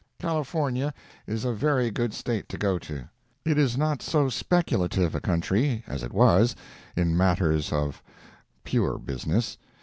California is a very good State to go to. It is not so speculative a country as it was, in matters of pure business.